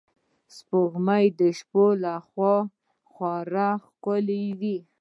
سپوږمۍ د شپې له خوا خورا ښکلی وي